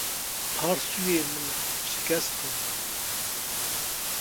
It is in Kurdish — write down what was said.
Parsûyên min şikestin.